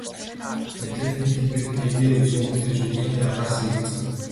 Мадридын тэнгэрт гэгээ сүүмэлзэж өглөөний агаар сэвэлзэнэ.